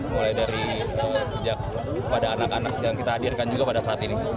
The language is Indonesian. mulai dari sejak pada anak anak yang kita hadirkan juga pada saat ini